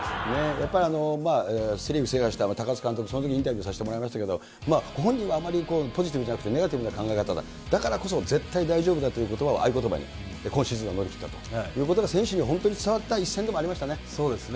やっぱりセ・リーグ制覇した高津監督、インタビューさせていただきましたけれども、ご本人はあまりポジティブじゃなくてネガティブな考え方だ、だからこそ、絶対大丈夫だということばを合言葉に今シーズンは乗り切ったということが、選手には本当に伝わった一戦でもありましたね。そうですね。